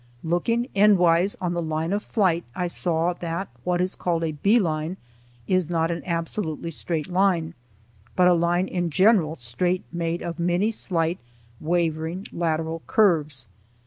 Looking endwise on the line of flight, I saw that what is called a bee line is not an absolutely straight line, but a line in general straight made of many slight, wavering, lateral curves.